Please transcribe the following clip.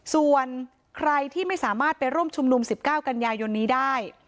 ส่วนใครที่ไม่สามารถไปร่วมชุมนุม๑๙กันยายนนี้ได้